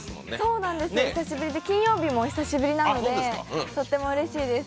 そうなんです、久しぶりで金曜日も久しぶりなのでとってもうれしいです。